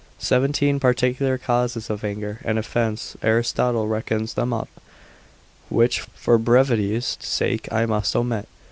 Seventeen particular causes of anger and offence Aristotle reckons them up, which for brevity's sake I must omit.